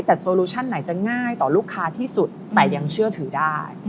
แต่โซลูชั่นไหนจะง่ายต่อลูกค้าที่สุดแต่ยังเชื่อถือได้